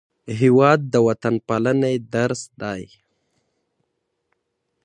هېواد د وطنپالنې درس دی.